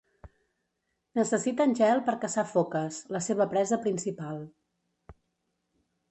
Necessiten gel per caçar foques, la seva presa principal.